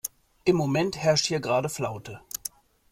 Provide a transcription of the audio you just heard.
Im Moment herrscht hier gerade Flaute.